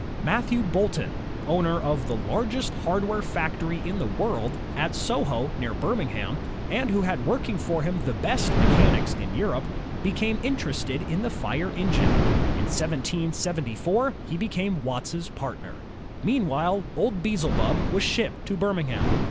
Matthew Boulton, owner of the largest hardware factory in the world, at Soho near Birmingham, and who had working for him the best mechanics in Europe, became interested in the fire engine. In 1774, he became Watt's partner. Meanwhile, old Beelzebub was shipped to Birmingham.